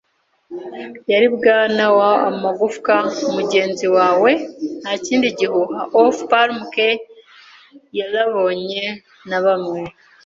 yari “Bwana W. Amagufwa, mugenzi wawe, "" Ntakindi gihuha, "" Off Palm Key yarabonye, "na bamwe